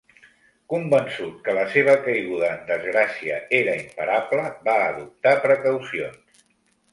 Convençut que la seva caiguda en desgràcia era imparable, va adoptar precaucions.